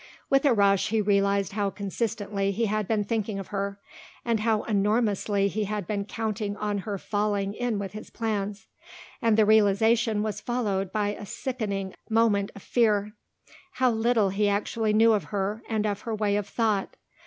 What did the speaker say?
With a rush he realised how consistently he had been thinking of her and how enormously he had been counting on her falling in with his plans, and the realisation was followed by a sickening moment of fear. How little he actually knew of her and of her way of thought.